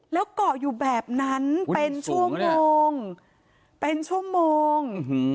แล้วก็อยู่แบบนั้นเป็นชั่วโมง